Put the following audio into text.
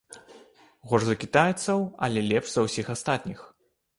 Горш за кітайцаў, але лепш за ўсіх астатніх.